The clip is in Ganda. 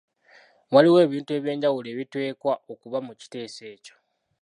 Waliwo ebintu eby’enjawulo ebiteekwa okuba mu kiteeso ekyo.